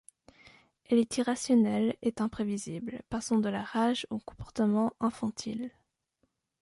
Elle est irrationnelle et imprévisible, passant de la rage au comportement infantile.